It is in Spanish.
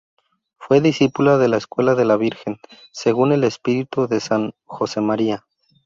Fue discípula de la escuela de la Virgen, según el espíritu de San Josemaría.